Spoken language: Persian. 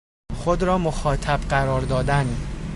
خود را مخاطب قرار دادن